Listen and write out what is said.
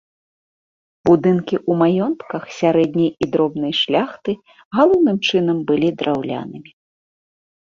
Будынкі ў маёнтках сярэдняй і дробнай шляхты галоўным чынам былі драўлянымі.